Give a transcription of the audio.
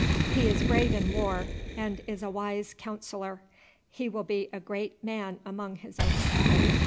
"He is brave in war, and is a wise counsellor; he will be a great man among his own people."